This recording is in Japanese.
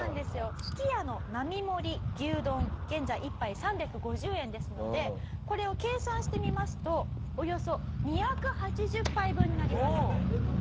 すき家の並盛牛丼現在１杯３５０円ですのでこれを計算してみますとおよそ２８０杯分になります。